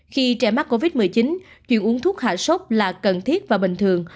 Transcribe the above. khi trẻ mắc covid một mươi chín chuyện uống thuốc hạ sốt là cần thiết và bình thường